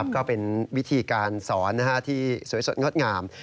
ก็เป็นวิธีการสอนที่สวยสดงดงาม